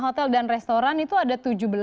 hotel dan restoran itu ada tujuh belas